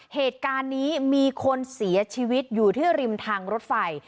เหตุการณ์นี้มีคนเสียชีวิตอยู่ที่ริมทางรถไฟ